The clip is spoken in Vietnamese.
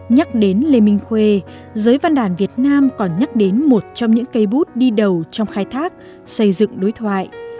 nhắc đến lê minh khuê giới văn đàn việt nam còn nhắc đến một trong những cây bút đi đầu trong khai thác xây dựng đối thoại